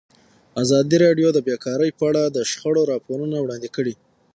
ازادي راډیو د بیکاري په اړه د شخړو راپورونه وړاندې کړي.